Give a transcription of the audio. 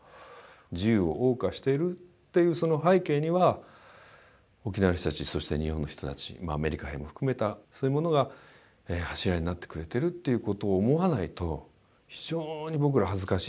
自由を謳歌しているっていうその背景には沖縄の人たちそして日本の人たちアメリカ兵も含めたそういうものが柱になってくれてるっていうことを思わないと非常に僕ら恥ずかしいし。